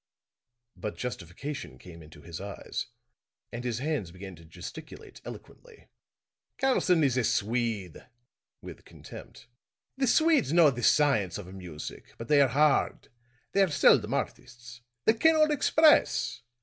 But justification came into his eyes, and his hands began to gesticulate eloquently. "Karlson is a Swede," with contempt. "The Swedes know the science of music; but they are hard; they are seldom artists; they cannot express.